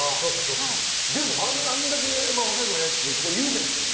でも、あんだけ若いころ焼いたら、言うじゃないですか。